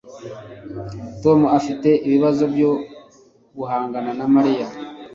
Tom afite ibibazo byo guhangana na Mariya